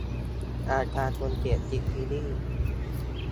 อาการคนเสพติดซีรีส์